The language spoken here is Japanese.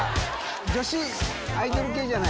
女子アイドル系じゃない？